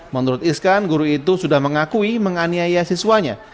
menurut iskan guru itu sudah mengakui menganiaya siswanya